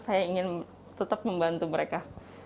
saya ingin tetap membantu mereka